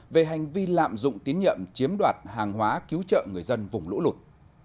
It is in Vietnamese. về hành vi lạm dụng tiến nhậm chiếm đoạt hàng hóa cứu trợ người dân vùng lũ lụt